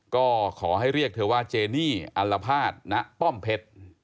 ก็ขอให้เรียกเธอว่าเจนี่อัลภาษณป้อมเพชร